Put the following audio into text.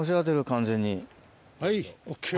はい。